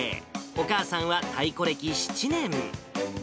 お母さんは太鼓歴７年。